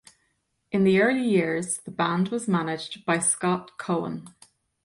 In the early years the band was managed by Scott Cohen.